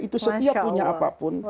itu setiap punya apapun